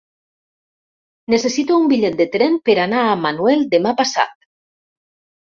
Necessito un bitllet de tren per anar a Manuel demà passat.